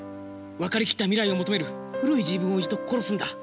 分かりきった未来を求める古い自分を一度殺すんだ。